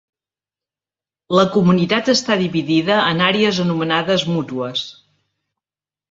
La comunitat està dividida en àrees anomenades mútues.